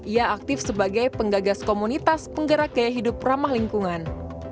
ia aktif sebagai penggagas komunitas penggerak gaya hidup ramah lingkungan